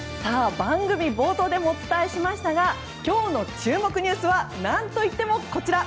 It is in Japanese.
番組冒頭でもお伝えしましたが今日の注目ニュースは何と言っても、こちら。